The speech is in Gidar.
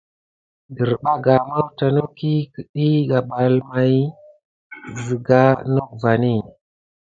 Desbarga mawta nok i ķəɗi gabal may may zəga nok vani.